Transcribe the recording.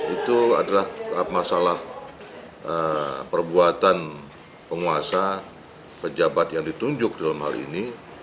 empat ratus tujuh belas itu adalah masalah perbuatan penguasa pejabat yang ditunjuk dalam hal ini